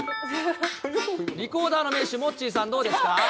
リコーダーの名手、モッチーさん、どうですか。